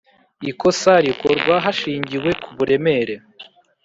ikosa rikorwa hashingiwe ku buremere